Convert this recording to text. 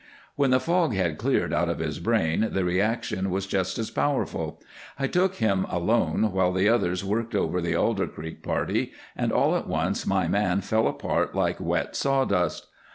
When the fog had cleared out of his brain the reaction was just as powerful. I took him out alone while the others worked over the Alder Creek party, and all at once my man fell apart like wet sawdust.